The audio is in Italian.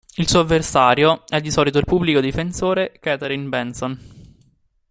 Il suo avversario è di solito il pubblico difensore Katherine Benson.